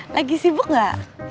lagi sibuk gak